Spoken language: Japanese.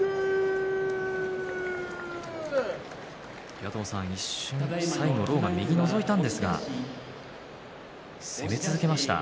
岩友さん、最後右がのぞいたんですが攻め続けました。